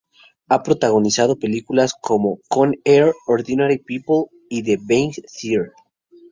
Ha protagonizado películas como: "Con Air", "Ordinary People" y "Being There".